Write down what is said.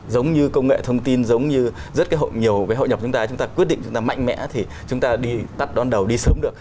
giống như công nghệ thông tin giống như rất cái hội nhiều với hội nhập chúng ta chúng ta quyết định chúng ta mạnh mẽ thì chúng ta đi tắt đón đầu đi sớm được